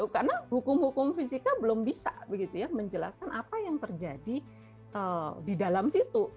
karena hukum hukum fisika belum bisa menjelaskan apa yang terjadi di dalam situ